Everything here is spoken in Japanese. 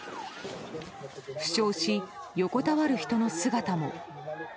負傷し、横たわる人の姿も。